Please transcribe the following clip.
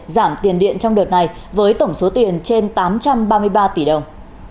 giảm tiền điện trong đợt này với tổng số tiền trên tám trăm ba mươi ba tỷ đồng